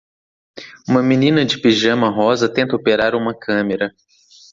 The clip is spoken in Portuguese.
Uma menina de pijama rosa tenta operar uma câmera.